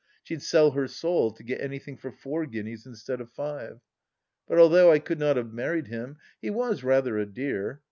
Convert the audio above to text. She'd sell her soul to get anything for four guineas instead of five. But although I could not have married him, he was rather a dear.